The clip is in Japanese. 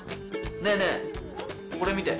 ねえねえこれ見て。